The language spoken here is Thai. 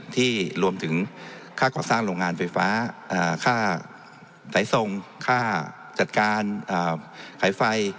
ที่รวมถึงค่าก่อสร้างโรงงานไฟฟ้าค่าไหลทรงค่าจัดการขายไฟ